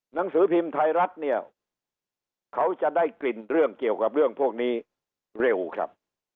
หนังสือพิมพ์ไทยรัฐเนี่ยเขาจะได้กลิ่นเรื่องเกี่ยวกับเรื่องพวกนี้เร็วครับ